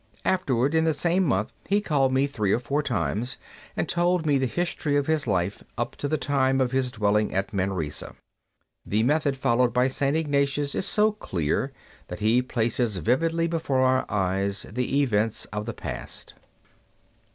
Afterward, in the same month, he called me three or four times, and told me the history of his life up to the time of his dwelling at Manresa. The method followed by St. Ignatius is so clear that he places vividly before our eyes the events of the past.